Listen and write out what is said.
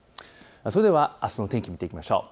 それではあすの天気を見ていきましょう。